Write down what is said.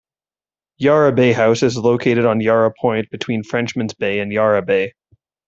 Yarra Bay House is located on Yarra Point, between Frenchmans Bay and Yarra Bay.